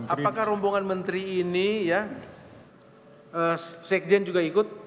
apakah rombongan menteri ini ya sekjen juga ikut